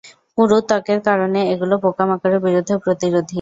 পুরু ত্বকের কারণে এগুলি পোকামাকড়ের বিরুদ্ধে প্রতিরোধী।